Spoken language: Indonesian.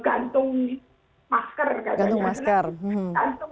gantung maskernya bersama sama seluruh dunia